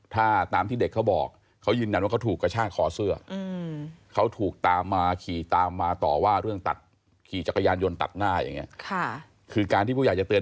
ถ้าตามที่เด็กเขาบอกเขายืนหนังว่าเขาถูกกระชากคอเสื้อ